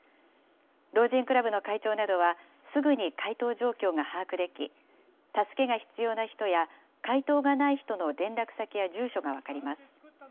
老人クラブの会長などはすぐに回答状況が把握でき、助けが必要な人や、回答がない人の連絡先や住所が分かります。